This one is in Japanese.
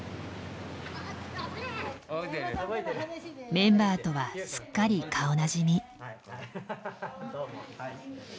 メンバーとはすっかり顔なじみ。